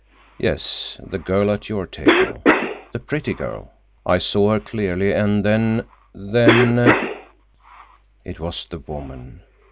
"Yes, the girl at your table. The pretty girl. I saw her clearly, and then—then—" It was the woman.